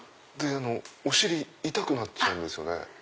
お尻痛くなっちゃうんですよね。